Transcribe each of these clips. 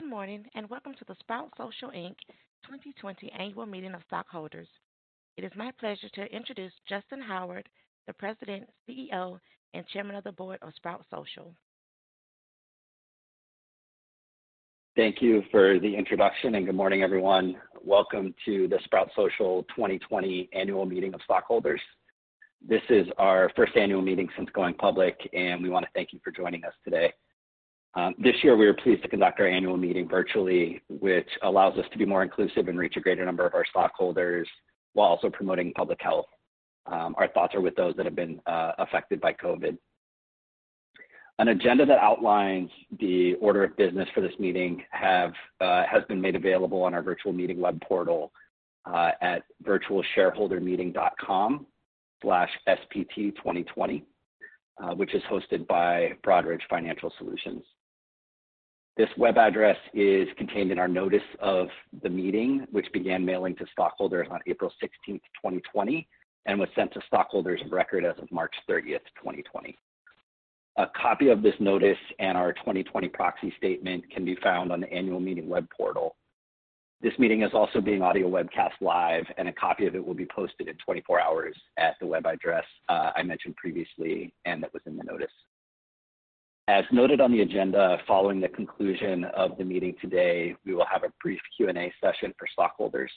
Good morning and welcome to the Sprout Social, Inc. 2020 Annual Meeting of Stockholders. It is my pleasure to introduce Justyn Howard, the President, CEO, and Chairman of the Board of Sprout Social. Thank you for the introduction and good morning, everyone. Welcome to the Sprout Social 2020 Annual Meeting of Stockholders. This is our first annual meeting since going public, and we want to thank you for joining us today. This year, we are pleased to conduct our annual meeting virtually, which allows us to be more inclusive and reach a greater number of our stockholders while also promoting public health. Our thoughts are with those that have been affected by COVID. An agenda that outlines the order of business for this meeting has been made available on our virtual meeting web portal at virtualshareholdermeeting.com/spt2020, which is hosted by Broadridge Financial Solutions. This web address is contained in our notice of the meeting, which began mailing to stockholders on April 16, 2020, and was sent to stockholders of record as of March 30, 2020. A copy of this notice and our 2020 Proxy Statement can be found on the annual meeting web portal. This meeting is also being audio webcast live, and a copy of it will be posted in 24 hours at the web address I mentioned previously and that was in the notice. As noted on the agenda, following the conclusion of the meeting today, we will have a brief Q&A session for stockholders.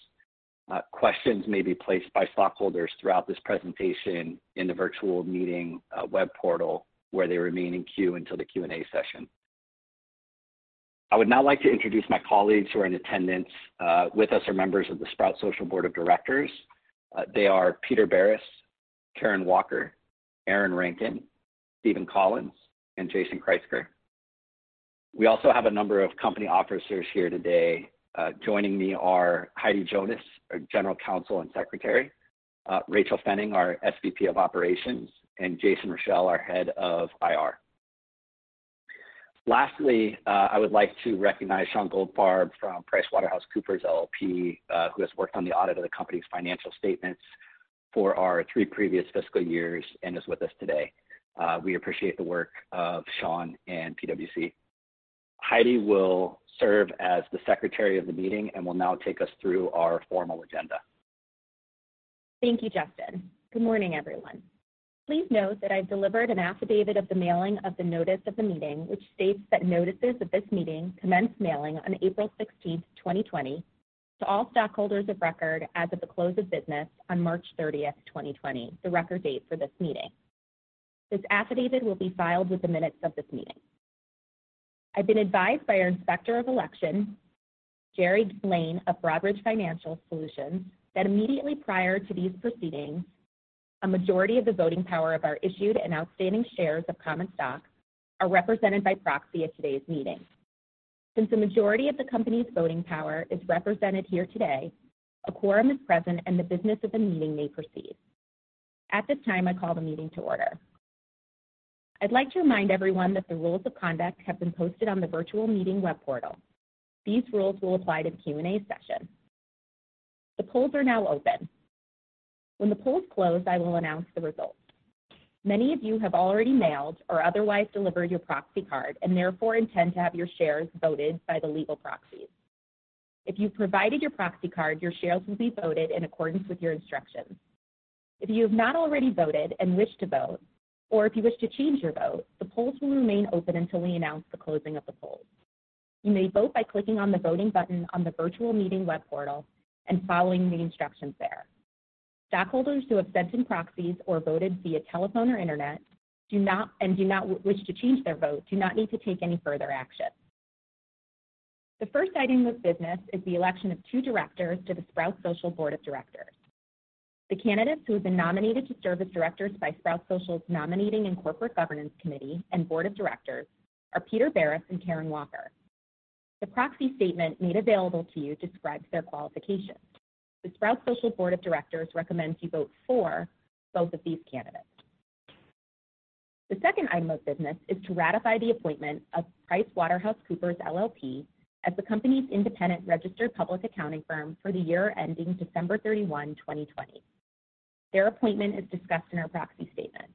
Questions may be placed by stockholders throughout this presentation in the virtual meeting web portal, where they remain in queue until the Q&A session. I would now like to introduce my colleagues who are in attendance with us or members of the Sprout Social Board of Directors. They are Peter Barris, Karen Walker, Aaron Rankin, Steven Collins, and Jason Kreuziger. We also have a number of company officers here today. Joining me are Heidi Jonas, our General Counsel and Secretary, Rachael Pfenning, our SVP of Operations, and Jason Rechel, our Head of IR. Lastly, I would like to recognize Shaun Goldfarb from PricewaterhouseCoopers LLP, who has worked on the audit of the company's financial statements for our three previous fiscal years and is with us today. We appreciate the work of Shaun and PwC. Heidi will serve as the Secretary of the Meeting and will now take us through our formal agenda. Thank you, Justyn. Good morning, everyone. Please note that I've delivered an Affidavit of Mailing of the Notice of the Meeting, which states that notices of this meeting commence mailing on April 16, 2020, to all stockholders of record as of the close of business on March 30, 2020, the Record Date for this meeting. This affidavit will be filed with the minutes of this meeting. I've been advised by our Inspector of Election, Jerry Lane of Broadridge Financial Solutions, that immediately prior to these proceedings, a majority of the voting power of our issued and outstanding shares of common stock are represented by proxy at today's meeting. Since a majority of the company's voting power is represented here today, a Quorum is present and the business of the meeting may proceed. At this time, I call the meeting to order. I'd like to remind everyone that the rules of conduct have been posted on the virtual meeting web portal. These rules will apply to the Q&A session. The polls are now open. When the polls close, I will announce the results. Many of you have already mailed or otherwise delivered your proxy card and therefore intend to have your shares voted by the legal proxies. If you've provided your proxy card, your shares will be voted in accordance with your instructions. If you have not already voted and wish to vote, or if you wish to change your vote, the polls will remain open until we announce the closing of the polls. You may vote by clicking on the voting button on the virtual meeting web portal and following the instructions there. Stockholders who have sent in proxies or voted via telephone or internet and do not wish to change their vote do not need to take any further action. The first item of business is the election of two directors to the Sprout Social Board of Directors. The candidates who have been nominated to serve as directors by Sprout Social's Nominating and Corporate Governance Committee and Board of Directors are Peter Barris and Karen Walker. The proxy statement made available to you describes their qualifications. The Sprout Social Board of Directors recommends you vote for both of these candidates. The second item of business is to ratify the appointment of PricewaterhouseCoopers LLP as the company's independent registered public accounting firm for the year ending December 31, 2020. Their appointment is discussed in our proxy statement.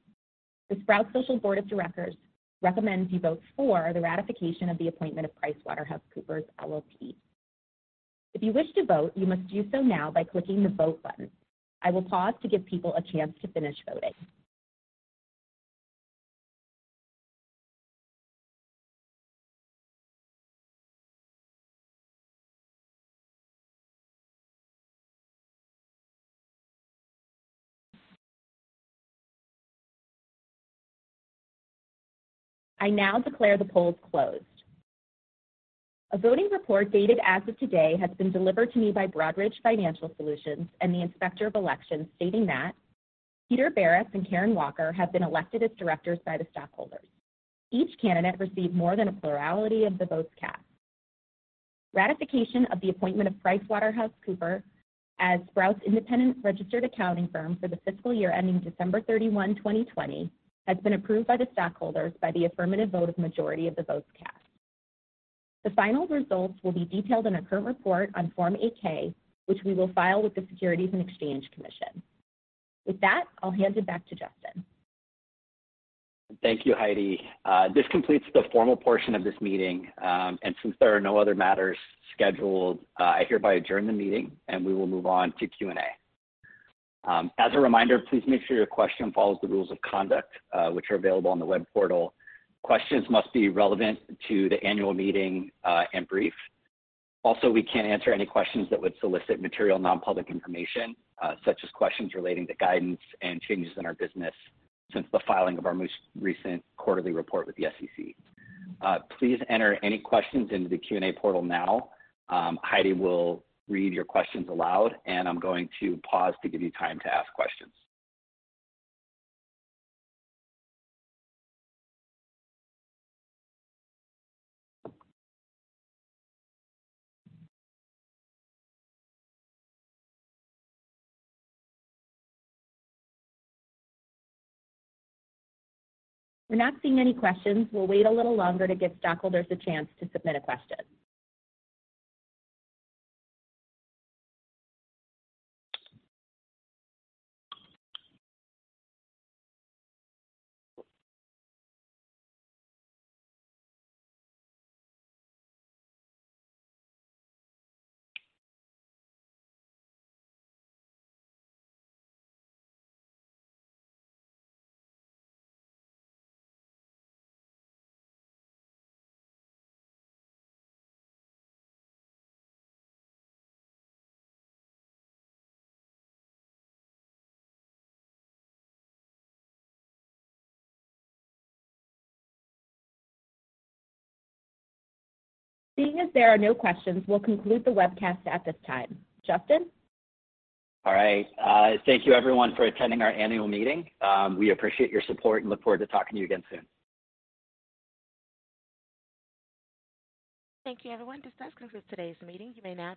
The Sprout Social Board of Directors recommends you vote for the ratification of the appointment of PricewaterhouseCoopers LLP. If you wish to vote, you must do so now by clicking the vote button. I will pause to give people a chance to finish voting. I now declare the polls closed. A voting report dated as of today has been delivered to me by Broadridge Financial Solutions and the Inspector of Elections, stating that Peter Barris and Karen Walker have been elected as directors by the stockholders. Each candidate received more than a plurality of the votes cast. Ratification of the appointment of PricewaterhouseCoopers as Sprout's independent registered accounting firm for the fiscal year ending December 31, 2020, has been approved by the stockholders by the affirmative vote of the majority of the votes cast. The final results will be detailed in our current report on Form 8-K, which we will file with the Securities and Exchange Commission. With that, I'll hand it back to Justyn. Thank you, Heidi. This completes the formal portion of this meeting. Since there are no other matters scheduled, I hereby adjourn the meeting and we will move on to Q&A. As a reminder, please make sure your question follows the rules of conduct, which are available on the web portal. Questions must be relevant to the annual meeting and brief. Also, we can't answer any questions that would solicit material nonpublic information, such as questions relating to guidance and changes in our business since the filing of our most recent quarterly report with the SEC. Please enter any questions into the Q&A portal now. Heidi will read your questions aloud, and I'm going to pause to give you time to ask questions. We're not seeing any questions. We'll wait a little longer to give stockholders a chance to submit a question. Seeing as there are no questions, we'll conclude the webcast at this time. Justyn? All right. Thank you, everyone, for attending our annual meeting. We appreciate your support and look forward to talking to you again soon. Thank you, everyone. This does conclude today's meeting. You may now.